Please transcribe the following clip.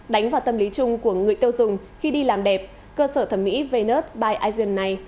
đánh vào tâm lý chung của người tiêu dùng khi đi làm đẹp cơ sở thẩm mỹ venus by aizen này